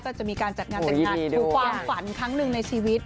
ก็จะมีการจัดงานเรื่องฝันทั้งหนึ่งในชีวิต